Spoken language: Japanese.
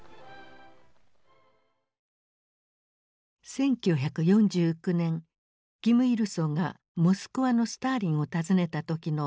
１９４９年金日成がモスクワのスターリンを訪ねた時の映像である。